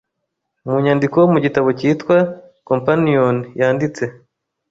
mu nyandiko mugitabo cyitwa Companion yanditse